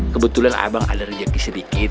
kebetulan abang ada rezeki sedikit